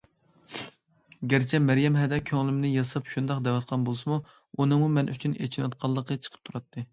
گەرچە مەريەم ھەدە كۆڭلۈمنى ياساپ شۇنداق دەۋاتقان بولسىمۇ ئۇنىڭمۇ مەن ئۈچۈن ئېچىنىۋاتقانلىقى چىقىپ تۇراتتى.